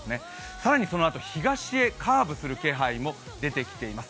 さらにそのあと東へカーブする動きも出てきています。